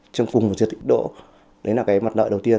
trên cùng và diệt định đỗ đấy là mặt lợi đầu tiên